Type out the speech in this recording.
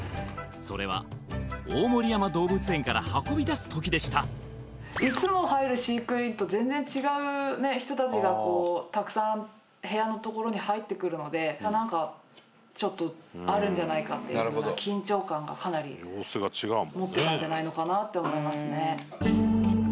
それは大森山動物園から運び出す時でしたいつも入る飼育員と全然違うね人たちがこうたくさん部屋のところに入ってくるので何かちょっとあるんじゃないかっていうような緊張感がかなり持ってたんじゃないのかなって思いますね